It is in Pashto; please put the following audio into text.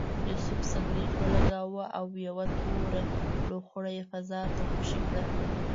یوسف سګرټ ولګاوه او یوه توره لوخړه یې فضا ته خوشې کړه.